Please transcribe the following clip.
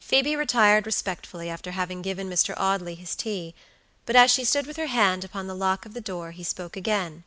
Phoebe retired respectfully after having given Mr. Audley his tea, but as she stood with her hand upon the lock of the door he spoke again.